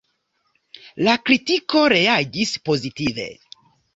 La kritiko reagis pozitive.